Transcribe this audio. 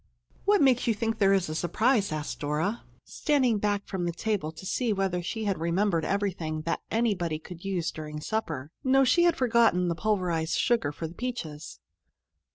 "What makes you think there is a surprise?" asked Dora, standing back from the table to see whether she had remembered everything that anybody could use during supper. No, she had forgotten the pulverized sugar for the peaches.